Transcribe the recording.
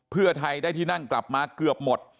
เพื่อไทยได้ที่นั่งกลับมาเกือบหมด